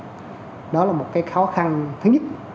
có nghĩa là trở lại cái khó khăn thứ nhất